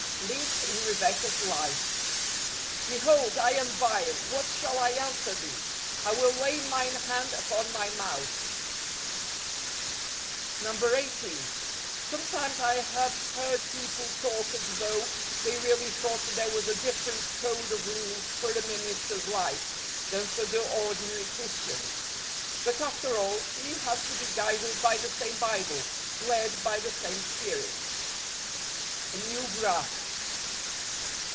Links in Rebecca's Life. " Behold , I am vile ; what shall 1 answer thee? I will lay mine hand upon my mouth." 18. Sometimes I have heard people talk as though they really thought there was a different code of rules for a minister's life, than for the ordinary Christian's. But, after all, he has to be guided by the same Bible, led by the same Spirit. A New Graft.